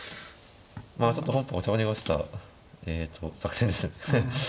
まあちょっと本譜お茶を濁したえと作戦です。